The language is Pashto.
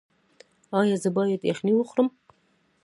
ایا زه باید یخني وخورم؟